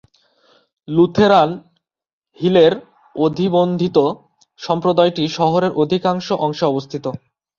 Lutheran হিলের অনিবন্ধিত সম্প্রদায়টি শহরের আংশিক অংশে অবস্থিত।